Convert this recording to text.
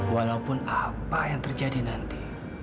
walaupun apa yang terjadi nanti